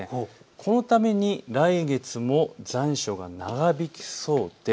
このために来月も残暑が長引きそうです。